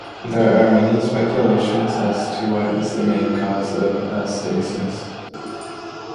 There are many speculations as to what is the main cause of astasis.